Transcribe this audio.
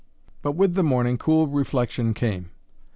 "But with the morning cool reflection came."